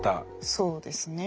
そうですね。